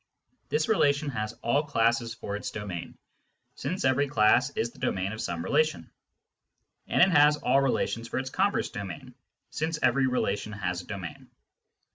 This relation has all classes for its domain, since every class is the domain of some relation ; and it has all relations for its converse domain, since every relation has a domain.